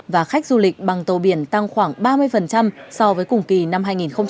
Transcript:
và khách du lịch bằng tàu biển tăng khoảng ba mươi so với cùng kỳ năm hai nghìn một mươi chín